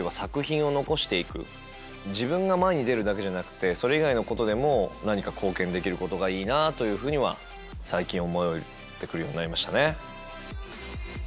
自分が前に出るだけじゃなくてそれ以外のことでも何か貢献できることがいいなぁというふうには最近思うようになりましたね。